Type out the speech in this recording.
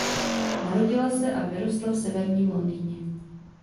Narodila se a vyrostla v severním Londýně.